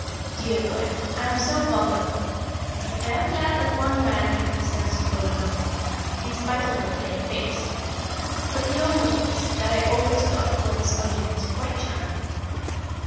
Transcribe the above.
"Dear Gwen, I am so fond of her. I am glad that one man had the sense to fall in love with her, in spite of her plain face; but you know, Moritz, that I always thought Gwen's ugliness quite charming."